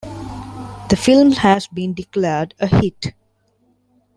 The film has been declared a 'Hit'.